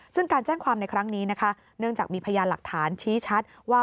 ซึ่งการแจ้งความในครั้งนี้นะคะเนื่องจากมีพยานหลักฐานชี้ชัดว่า